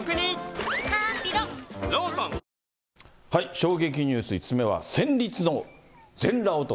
衝撃ニュース５つ目は、戦慄の全裸男。